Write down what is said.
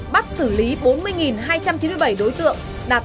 bắt xử lý bốn mươi hai trăm chín mươi bảy đối tượng đạt tám mươi hai sáu mươi sáu